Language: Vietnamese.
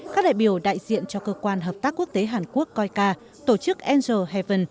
các đại biểu đại diện cho cơ quan hợp tác quốc tế hàn quốc coica tổ chức angel heaven